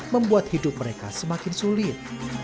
membuat hidup mereka semakin sulit